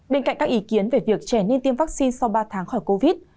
bên cạnh các ý kiến về việc trẻ nên tiêm vaccine sau ba tháng khỏi covid